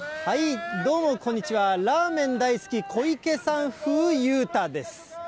どうもこんにちは、ラーメン大好き小池さん風裕太です。